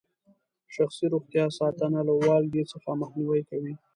شخصي روغتیا ساتنه له والګي څخه مخنیوي کوي.